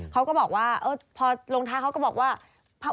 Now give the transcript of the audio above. เขาก็บอกว่าพอลงท้ายเขาก็บอกว่า